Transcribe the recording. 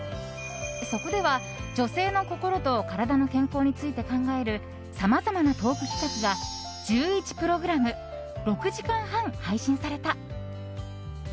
そこでは、女性の心と体の健康について考えるさまざまなトーク企画が１１プログラム６時間半配信された。